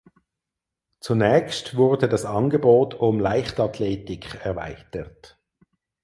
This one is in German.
Zunächst wurde das Angebot um Leichtathletik erweitert.